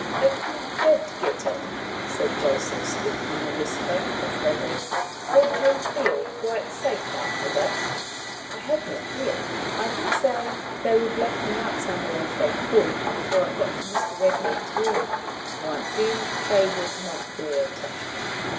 "If you did get in," said Joseph, speaking in a whisper as they went, "would you feel quite safe after this?" "I have no fear. I dare say they would lock me up somewhere if they could, before I got to Mr. Redmain's room: once in, they would not dare touch me."